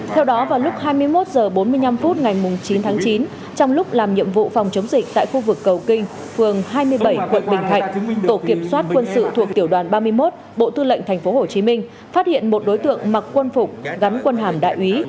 theo đó vào lúc hai mươi một h bốn mươi năm phút ngày chín tháng chín trong lúc làm nhiệm vụ phòng chống dịch tại khu vực cầu kinh phường hai mươi bảy quận bình thạnh tổ kiểm soát quân sự thuộc tiểu đoàn ba mươi một bộ tư lệnh tp hcm phát hiện một đối tượng mặc quân phục gắn quân hàm đại úy